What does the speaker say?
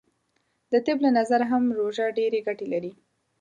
د طب له نظره هم روژه ډیرې ګټې لری .